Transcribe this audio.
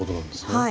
はい。